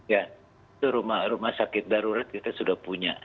ya itu rumah sakit darurat kita sudah punya